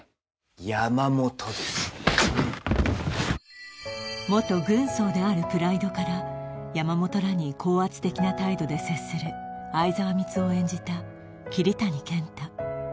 山本です元軍曹であるプライドから山本らに高圧的な態度で接する相沢光男を演じた桐谷健太